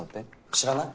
知らない？